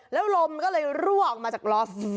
แล้วลมมันก็เลยรั่วออกมาจากล็อฟ